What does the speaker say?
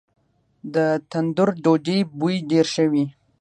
د تندور ډوډۍ بوی ډیر ښه وي.